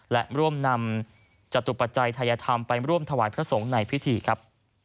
และร่วมนำจตุปัจจัยทัยธรรมไปร่วมถวายพระสงฆ์ในพิธีครับ